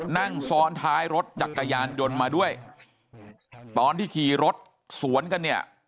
นั่งซ้อนท้ายรถจักรยานยนต์มาด้วยตอนที่ขี่รถสวนกันเนี่ย